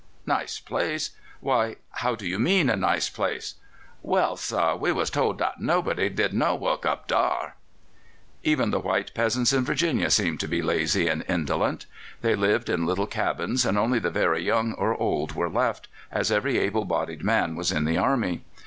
"Nice place? Why, how do you mean a nice place?" "Well, sah, we was told dat nobody did no work up dar." Even the white peasants in Virginia seemed to be lazy and indolent. They lived in little cabins, and only the very young or old were left, as every able bodied man was in the army.